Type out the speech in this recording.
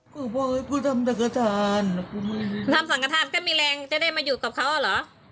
ขอให้ผู้ทำสังฆฐานทำสังกฐานก็มีแรงจะได้มาอยู่กับเขาอ่ะเหรอ